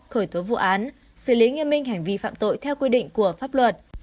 khởi tố vụ án xử lý nghiêm minh hành vi phạm tội theo quy định của pháp luật